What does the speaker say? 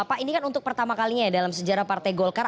pak ini kan untuk pertama kalinya ya dalam sejarah partai golkar